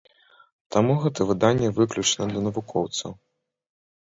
Таму гэта выданне выключна для навукоўцаў.